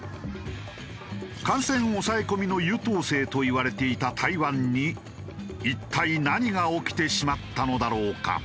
感染抑え込みの優等生といわれていた台湾に一体何が起きてしまったのだろうか？